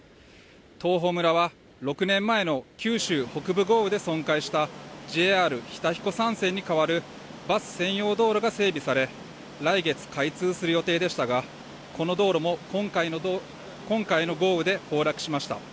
東峰村は、６年前の九州北部豪雨で損壊したＪＲ日田彦山線に代わるバス専用道路が整備され、来月開通する予定でしたが、この道路も今回の豪雨で崩落しました。